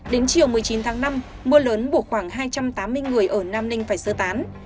đến chiều một mươi chín tháng năm mưa lớn buộc khoảng hai trăm tám mươi người ở nam ninh phải sơ tán